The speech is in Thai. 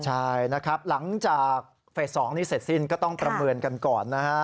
ใช่นะครับหลังจากเฟส๒นี้เสร็จสิ้นก็ต้องประเมินกันก่อนนะฮะ